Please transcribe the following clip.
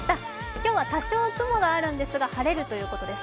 今日は多少、雲があるんですが晴れるということです。